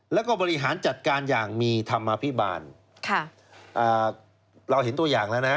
แล้วก็บริหารจัดการอย่างมีธรรมอภิบาลค่ะอ่าเราเห็นตัวอย่างแล้วนะ